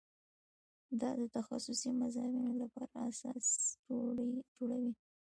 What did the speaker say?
دا د تخصصي مضامینو لپاره اساس جوړوي.